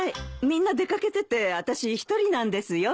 みんな出掛けててあたし一人なんですよ。